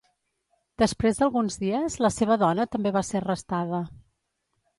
Després d'alguns dies, la seva dona també va ser arrestada.